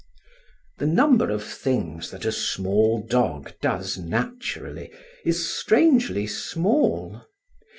The number of things that a small dog does naturally is strangely small.